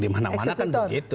di mana mana kan begitu